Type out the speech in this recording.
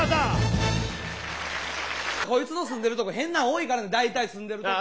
こいつの住んでるとこ変なん多いからね大体住んでるとこが。